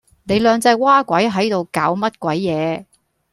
你兩隻嘩鬼係度搞乜鬼野